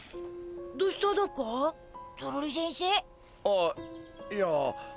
あっいや。